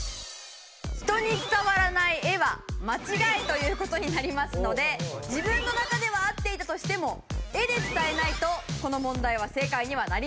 人に伝わらない絵は間違いという事になりますので自分の中では合っていたとしても絵で伝えないとこの問題は正解にはなりません。